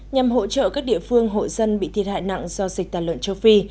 nhằm hỗ trợ các địa phương hội dân bị thiệt hại nặng do dịch tàn lợn châu phi